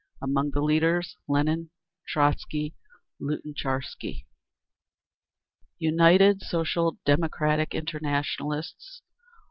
Among the leaders: Lenin, Trotzky, Lunatcharsky. d. _United Social Democrats Internationalists.